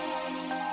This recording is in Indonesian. jika mereka berptwo